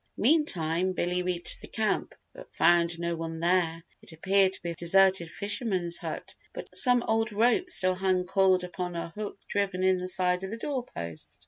Meantime, Billy reached the camp but found no one there. It appeared to be a deserted fisherman's hut but some old rope still hung coiled upon a hook driven in the side of the door post.